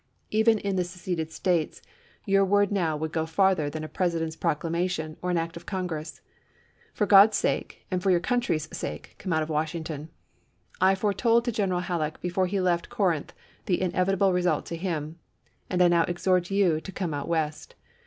Even in the seceded States youi word now would go further than a President's proclamation or an act of Congress. For Grod's sake and for your country's sake, come out of Washington. I fore told to Gfeneral Halleck before he left Corinth the inevitable result to him, and I now exhort you to come out West.